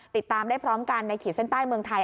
ติดตามได้พร้อมกันในขีดเส้นใต้เมืองไทย